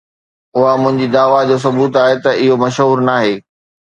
اها منهنجي دعويٰ جو ثبوت آهي ته اهو مشهور ناهي